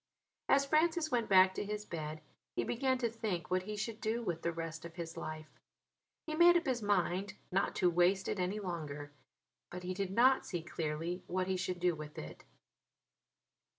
As Francis went back to his bed he began to think what he should do with the rest of his life. He made up his mind not to waste it any longer: but he did not see clearly what he should do with it.